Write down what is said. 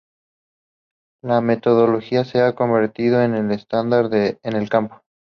La metodología se ha convertido en el estándar en el campo.